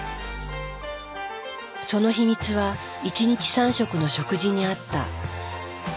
その秘密は一日三食の食事にあった。